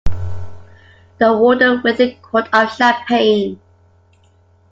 The Warden with a quart of champagne.